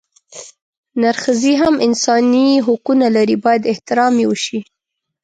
نرښځي هم انساني حقونه لري بايد احترام يې اوشي